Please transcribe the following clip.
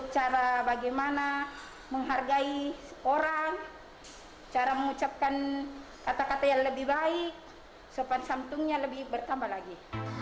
karena dia lebih pintar lagi